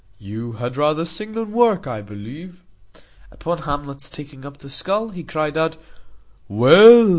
You had rather sing than work, I believe." Upon Hamlet's taking up the skull, he cried out, "Well!